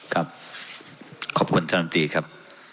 ครับขอบคุณท่านลำตีครับ